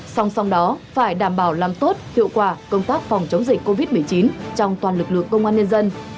song song đó phải đảm bảo làm tốt hiệu quả công tác phòng chống dịch covid một mươi chín trong toàn lực lượng công an nhân dân